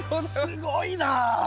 すごいなあ。